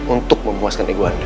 untuk memuaskan ego anda